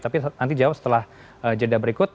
tapi nanti jawab setelah jeda berikut